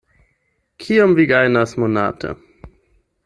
Kiom vi gajnas monate?